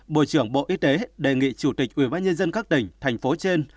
bộ trưởng bộ y tế đề nghị chủ tịch ubnd các tỉnh thành phố trên